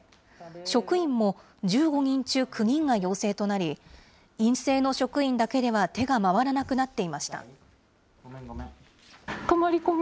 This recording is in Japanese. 職員も１５人中９人が陽性となり、陰性の職員だけでは手が回らなくなっていました。